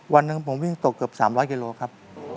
วันหนึ่งผมวิ่งตกเกือบ๓๐๐กิโลครับ